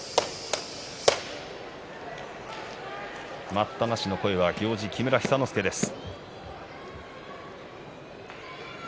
待ったなしの声は行司、木村寿之介です。